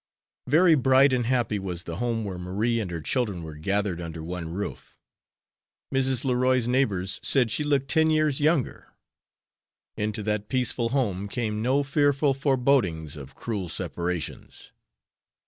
Very bright and happy was the home where Marie and her children were gathered under one roof. Mrs. Leroy's neighbors said she looked ten years younger. Into that peaceful home came no fearful forebodings of cruel separations.